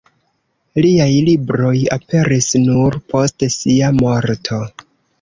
Liaj libroj aperis nur post sia morto.